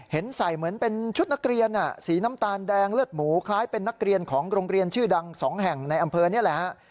ใส่เหมือนเป็นชุดนักเรียนสีน้ำตาลแดงเลือดหมูคล้ายเป็นนักเรียนของโรงเรียนชื่อดัง๒แห่งในอำเภอนี่แหละฮะ